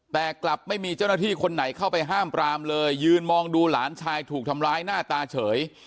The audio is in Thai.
แต่กลับไม่มีเจ้าหน้าที่คนไหนเข้าไปห้ามปรามเลยยืนมองดูหลานชายถูกทำร้ายหน้าตาเฉย